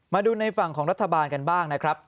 มาดูในฝั่งของรัฐบาลกันบ้างนะครับ